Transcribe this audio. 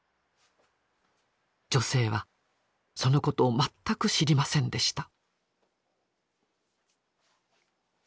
女性はそのことを全く知りませんでした。